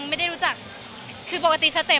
หมายถึงว่าศึกษากันสักพักใหญ่เลย